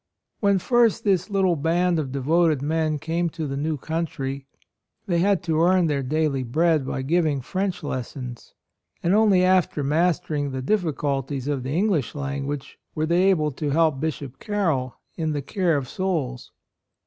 When first this little band of devoted men came to the new country, they had to earn their daily bread by giving French lessons; and only after mastering the diffi culties of the English language were they able to help Bishop Carroll in the care of souls.